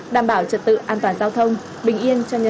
đảm bảo trật tự an toàn giao thông bình yên cho nhân dân